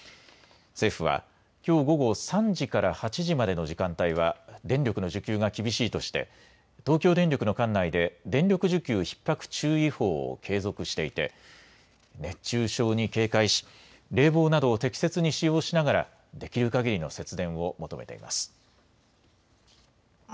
政府はきょう午後３時から８時までの時間帯は電力の需給が厳しいとして東京電力の管内で電力需給ひっ迫注意報を継続していて熱中症に警戒し冷房などを適切に使用しながらできるかぎりの節電を求めています。